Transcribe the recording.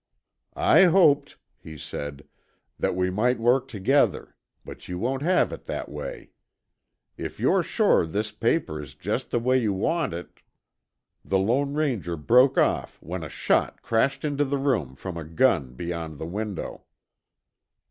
"I hoped," he said, "that we might work together, but you won't have it that way. If you're sure this paper is just the way you want it " The Lone Ranger broke off when a shot crashed into the room from a gun beyond the window.